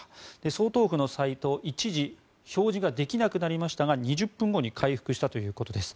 総統府のサイトは一時、表示ができなくなりましたが２０分後に回復したということです。